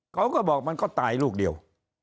เขาก็บอกมันก็ตายลูกเดียว